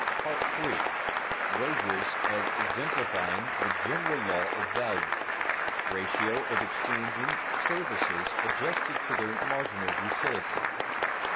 § III. WAGES AS EXEMPLIFYING THE GENERAL LAW OF VALUE [Sidenote: Ratio of exchange of services adjusted to their marginal utility] 1.